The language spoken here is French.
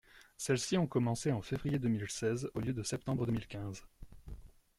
Celles-ci ont commencé en février deux mille seize au lieu de septembre deux mille quinze.